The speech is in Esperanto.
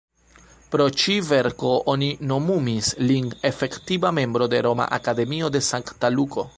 Pro ĉi-verko oni nomumis lin Efektiva membro de "Roma Akademio de Sankta Luko".